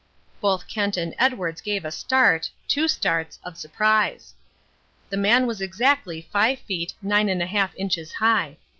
Both Kent and Edwards gave a start, two starts, of surprise. The man was exactly five feet nine and a half inches high.